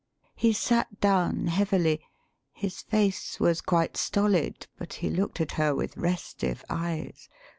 [He sat down heavily; his face was quite stolid, but he looked at her with restive eyes.